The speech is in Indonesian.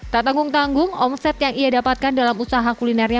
tak tanggung tanggung omset yang ia dapatkan dalam usaha kulinernya